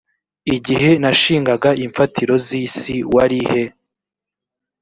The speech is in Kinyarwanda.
igihe nashingaga imfatiro z isi wari he